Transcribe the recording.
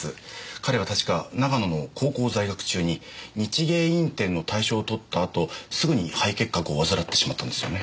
彼は確か長野の高校在学中に日芸院展の大賞をとった後すぐに肺結核を患ってしまったんですよね。